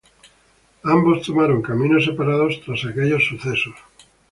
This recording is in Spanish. Ambos tomaron caminos separados tras aquellos eventos.